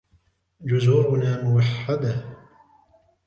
جزرنا موحدة.